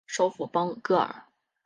首府邦戈尔。